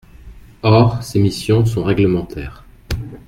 Or, ces missions sont réglementaires.